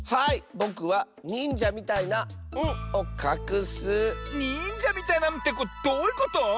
ぼくはにんじゃみたいな「ん」をかくッス！にんじゃみたいな「ん」ってどういうこと？